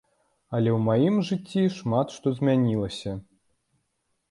Але ў маім жыцці шмат што змянілася.